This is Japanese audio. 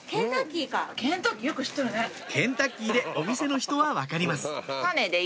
「ケンタッキー」でお店の人は分かります